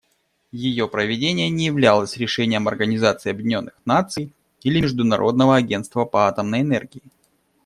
Ее проведение не являлось решением Организации Объединенных Наций или Международного агентства по атомной энергии.